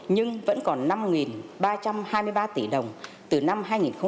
nhưng vẫn còn năm ba trăm hai mươi ba tỷ đồng từ năm hai nghìn một mươi